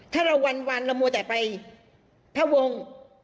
ถ้าเราวันเรามัวแต่ไปพระวงศ์